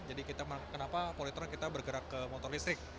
jadi kenapa polytron kita bergerak ke motor listrik